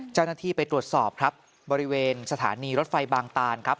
เจ้าหน้าที่ไปตรวจสอบครับบริเวณสถานีรถไฟบางตานครับ